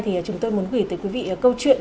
thì chúng tôi muốn gửi tới quý vị câu chuyện